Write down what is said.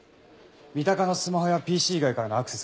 三鷹のスマホやＰＣ以外からのアクセスはありません。